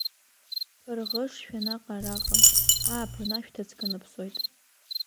Ԥырӷышшәа анаҟа-араҟа, ааԥын ашәҭыц канаԥсоит.